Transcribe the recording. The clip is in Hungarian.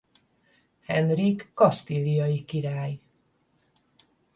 Henrik kasztíliai király.